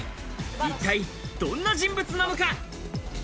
一体どんな人物なのか？